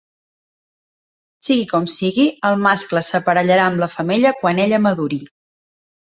Sigui com sigui, el mascle s'aparellarà amb la femella quan ella maduri.